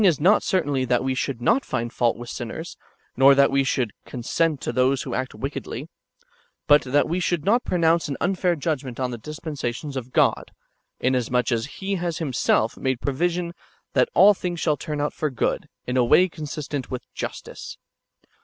479 is] not certainly that we should not find fault with shiners, nor that we sliould consent to those who act wickedly ; but that we should not pronounce an unfair judgment on tlie dispensations of God, inasmuch as Pie has Himself made provision that all things shall turn out for good, in a way consistent w^ith justice.